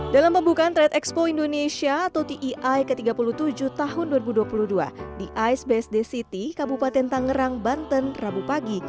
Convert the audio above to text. dalam pembukaan trade expo indonesia atau tei ke tiga puluh tujuh tahun dua ribu dua puluh dua di ice bsd city kabupaten tangerang banten rabu pagi